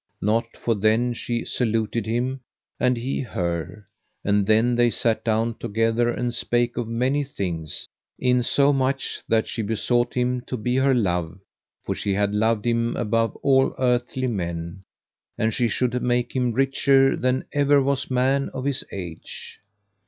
Not for then she saluted him, and he her; and then they sat down together and spake of many things, in so much that she besought him to be her love, for she had loved him above all earthly men, and she should make him richer than ever was man of his age.